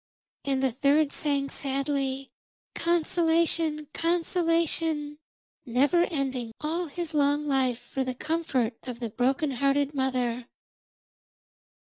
And the third sang sadly 'Consolation! Consolation!' never ending all his life long for the comfort of the broken hearted mother.